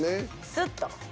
スッと。